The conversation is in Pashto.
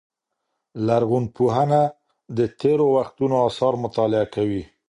لرغونپوهنه د تېرو وختونو آثار مطالعه کوي.